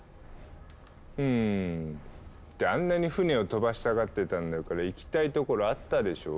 うむってあんなに船を飛ばしたがってたんだから行きたい所あったでしょう？